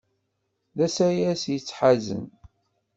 D asayes yettḥazen.